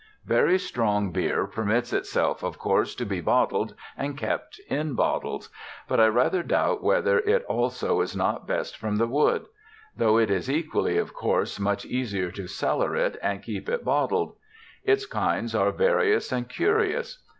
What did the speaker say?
Very strong beer permits itself, of course, to be bottled and kept in bottles: but I rather doubt whether it also is not best from the wood; though it is equally of course, much easier to cellar it and keep it bottled. Its kinds are various and curious.